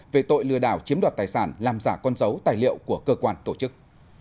về tội lừa đảo chiếm đoạt tài sản làm giả con dấu tài liệu của cơ quan tổ chức